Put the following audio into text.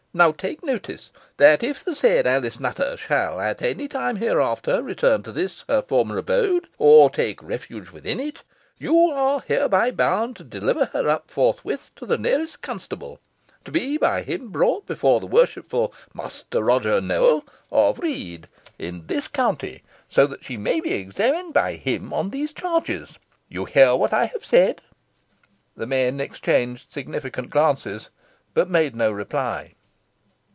Now take notice, that if the said Alice Nutter shall at any time hereafter return to this her former abode, or take refuge within it, you are hereby bound to deliver her up forthwith to the nearest constable, to be by him brought before the worshipful Master Roger Nowell of Read, in this county, so that she may be examined by him on these charges. You hear what I have said?" The men exchanged significant glances, but made no reply.